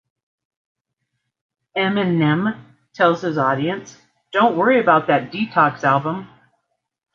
Eminem tells his audience "Don't worry about that "Detox" album.